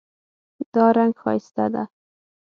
دا رنګ ښایسته ده